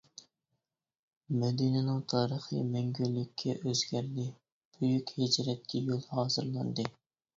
مەدىنىنىڭ تارىخى مەڭگۈلۈككە ئۆزگەردى، بۈيۈك ھىجرەتكە يول ھازىرلاندى.